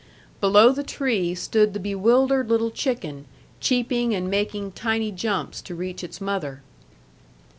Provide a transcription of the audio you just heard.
Below the tree stood the bewildered little chicken, cheeping, and making tiny jumps to reach its mother.